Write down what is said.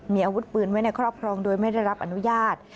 มีอาวุธปืนไว้ในครอบครองโดยไม่ได้รับอนุญาต